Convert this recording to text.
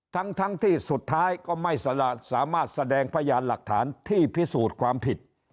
ทั้งที่สุดท้ายก็ไม่สามารถแสดงพยานหลักฐานที่พิสูจน์ความผิด